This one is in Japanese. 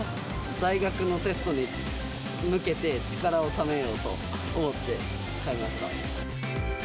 大学のテストに向けて、力をためようと思って、買いました。